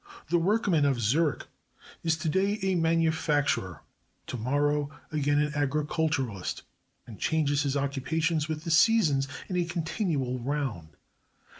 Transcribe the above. The workman of Zürich is to day a manufacturer, to morrow again an agriculturist, and changes his occupations with the seasons in a continual round.